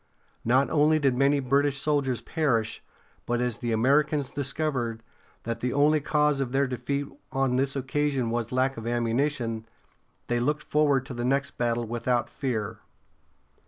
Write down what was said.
Not only did many British soldiers perish, but as the Americans discovered that the only cause of their defeat on this occasion was lack of ammunition, they looked forward to the next battle without fear.